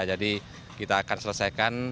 jadi kita akan selesaikan